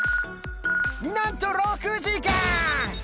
なんと６時間！